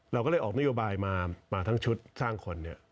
เราก็เลยออกนโยบายมาทั้งชุดสร้างคน